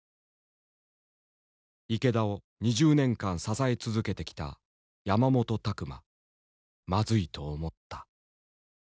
池田を２０年間支え続けてきた山本卓眞まずいと思った。